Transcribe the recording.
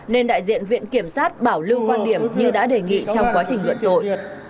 nên đại diện viện kiểm sát bảo lưu quan điểm như đã đề nghị trong quá trình luận tội